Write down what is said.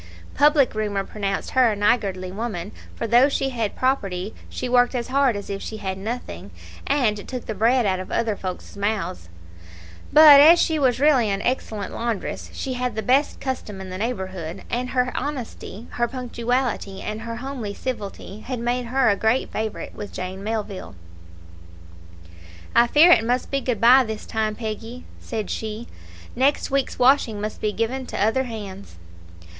Public rumour pronounced her a niggardly woman, for though she had property she worked as hard as if she had nothing, and took the bread out of other folk's mouths; but as she was really an excellent laundress, she had the best custom in the neighbourhood, and her honesty, her punctuality, and her homely civility, had made her a great favourite with Jane Melville. "I fear it must be good bye this time, Peggy," said she; "next week's washing must be given to other hands."